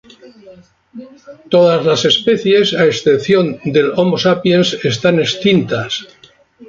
Todas las especies, a excepción de "Homo sapiens", están extintas.